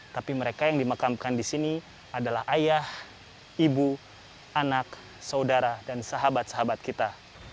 tapi mereka yang dimakamkan di sini adalah ayah ibu anak saudara dan sahabat sahabat kita